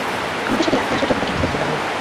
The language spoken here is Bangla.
আমাদের সাথে লাগতে আসার জন্য তাকে আফসোস করতে হবে!